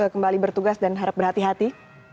kembali bertugas dan harap berhati hati